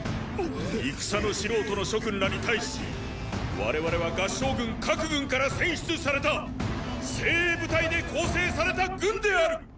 戦の素人の諸君らに対し我々は合従軍各軍から選出された精鋭部隊で構成された軍である！